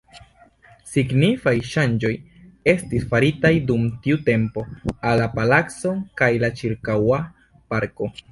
Signifaj ŝanĝoj estis faritaj dum tiu tempo al la palaco kaj la ĉirkaŭa parko.